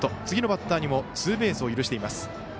次のバッターにもツーベースを許しています。